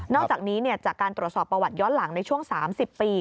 อกจากนี้จากการตรวจสอบประวัติย้อนหลังในช่วง๓๐ปี